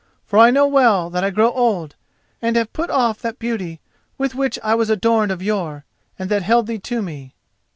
For I know well that I grow old, and have put off that beauty with which I was adorned of yore, and that held thee to me.